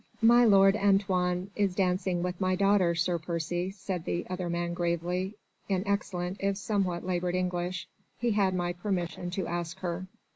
"My lord Antoine is dancing with my daughter, Sir Percy," said the other man gravely, in excellent if somewhat laboured English, "he had my permission to ask her."